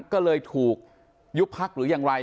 ก็เลยถูกยุบพักหรือยังไร